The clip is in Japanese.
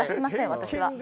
私は。